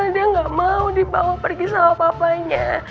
dia nggak mau dibawa pergi sama papanya